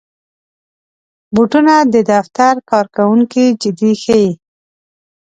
بوټونه د دفتر کارکوونکي جدي ښيي.